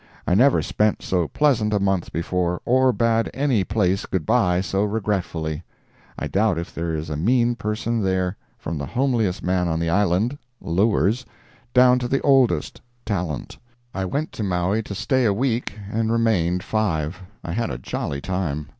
I never spent so pleasant a month before, or bade any place good bye so regretfully. I doubt if there is a mean person there, from the homeliest man on the island (Lewers) down to the oldest (Tallant). I went to Maui to stay a week and remained five. I had a jolly time.